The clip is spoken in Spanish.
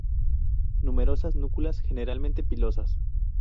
Numerosas núculas, generalmente pilosas.